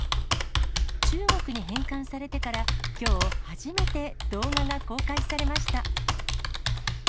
中国に返還されてからきょう、初めて動画が公開されました。